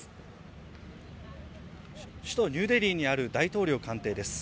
首都ニューデリーにある大統領官邸です。